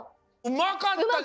うまかった。